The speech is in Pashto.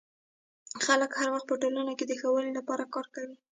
خلک هر وخت په ټولنه کي د ښه والي لپاره کار کوي.